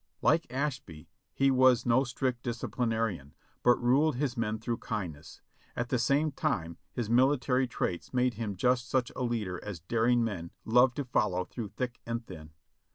Like Ashby, he was no strict disciplinarian, but ruled his men through kindness; at the same time his military traits made him just such a leader as daring men love to follow through thick and thin.